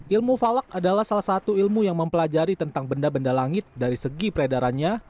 ilmu falak adalah salah satu ilmu yang mempelajari tentang benda benda langit dari segi peredarannya